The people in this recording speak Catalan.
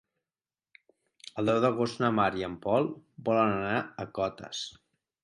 El deu d'agost na Mar i en Pol volen anar a Cotes.